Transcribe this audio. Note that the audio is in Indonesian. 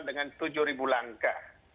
dengan tujuh ribu langkah